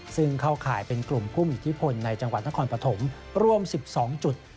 ซึ่งเข้าข่ายเป็นกลุ่มผู้มีอิทธิพลในจังหวัดนครปฐมรวม๑๒จุด